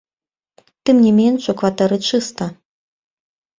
Тым не менш, у кватэры чыста.